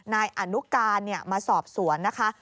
นายอนุการมาสอบสวนนะคะ